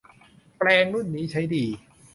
แปรงรุ่นนี้ใช้ดี